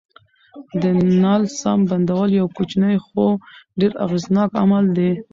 د نل سم بندول یو کوچنی خو ډېر اغېزناک عمل دی.